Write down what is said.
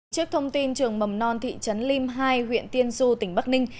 trước thông tin trường mầm non thị trấn lim hai huyện tiên du tỉnh bắc ninh